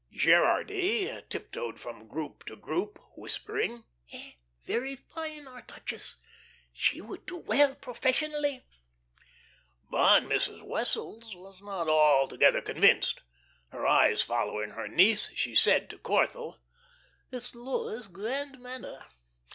Gerardy tiptoed from group to group, whispering: "Eh? Very fine, our duchess. She would do well professionally." But Mrs. Wessels was not altogether convinced. Her eyes following her niece, she said to Corthell: "It's Laura's 'grand manner.'